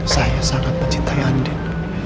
saya sangat mencintai andin